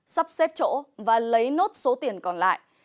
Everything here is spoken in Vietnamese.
sắp xếp chỗ và lấy nốt số tiền còn lại